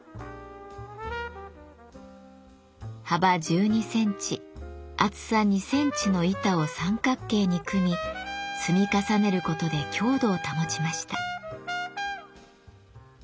幅１２センチ厚さ２センチの板を三角形に組み積み重ねることで強度を保ちました。